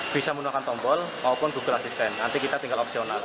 bisa menggunakan tombol maupun google asisten nanti kita tinggal opsional